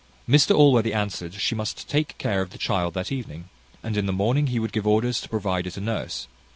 Mr Allworthy answered, she must take care of the child that evening, and in the morning he would give orders to provide it a nurse.